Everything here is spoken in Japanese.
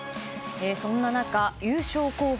そんな中、優勝候補